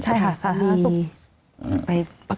ใช่ค่ะสาธารณสุข